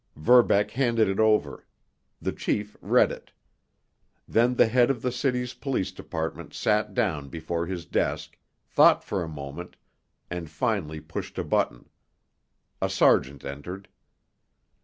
Verbeck handed it over; the chief read it. Then the head of the city's police department sat down before his desk, thought for a moment, and finally pushed a button. A sergeant entered.